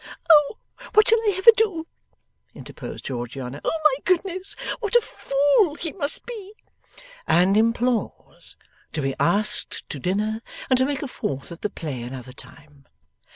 'Oh, what shall I ever do!' interposed Georgiana. 'Oh my goodness what a Fool he must be!' ' And implores to be asked to dinner, and to make a fourth at the play another time.